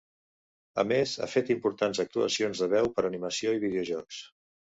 A més, ha fet importants actuacions de veu per a animació i videojocs.